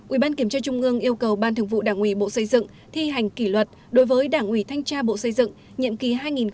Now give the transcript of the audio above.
ủy ban kiểm tra trung ương yêu cầu ban thường vụ đảng ủy bộ xây dựng thi hành kỷ luật đối với đảng ủy thanh tra bộ xây dựng nhiệm kỳ hai nghìn một mươi năm hai nghìn hai mươi